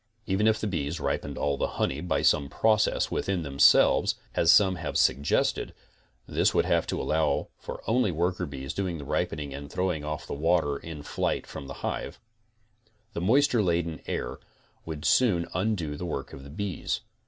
Even if the bees ripened all the honey by some process with in themselves, as some have suggested, (this would have to allow for only worker bees doing the ripening and throwing off the water in the flight from the hive), the moisture laden air, would soon undo the work of the bees.